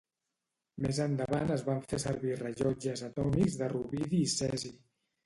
Més endavant es van fer servir rellotges atòmics de rubidi i cesi.